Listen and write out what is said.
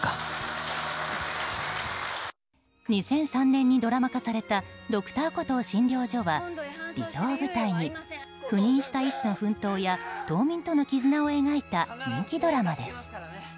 ２００３年にドラマ化された「Ｄｒ．コトー診療所」は離島を舞台に赴任した医師の奮闘や島民との絆を描いた人気ドラマです。